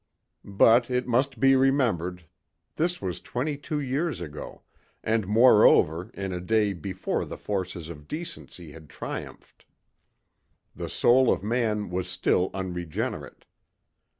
But, it must be remembered, this was twenty two years ago, and moreover, in a day before the forces of decency had triumphed. The soul of man was still unregenerate.